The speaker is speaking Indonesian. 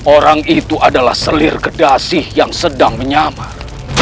orang itu adalah selir kedasih yang sedang menyamar